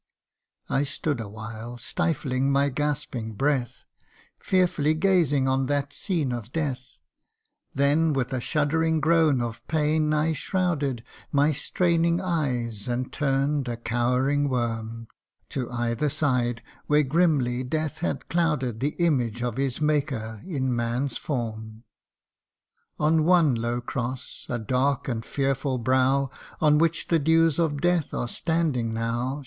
I stood awhile, stifling my gasping breath, Fearfully gazing on that scene of death : Then with a shuddering groan of pain I shrouded My straining eyes, and turn'd, a cowering worm, To either side where grimly death had clouded The image of his maker in man's form. On one low cross a dark and fearful brow, On which the dews of death are standing now, 12 THE UNDYING ONE.